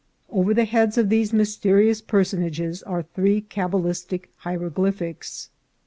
Over the heads of these mys terious personages are three cabalistic hieroglyphics.